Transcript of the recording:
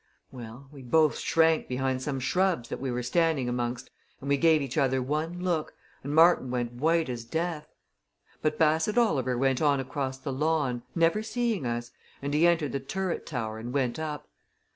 Well! we both shrank behind some shrubs that we were standing amongst, and we gave each other one look, and Martin went white as death. But Bassett Oliver went on across the lawn, never seeing us, and he entered the turret tower and went up.